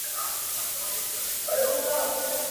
څوک چی دلته ښه دي هلته به لوړېږي؛